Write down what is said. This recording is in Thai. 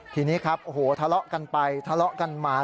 ทีนี้ครับโอ้โหทะเลาะกันไปทะเลาะกันมา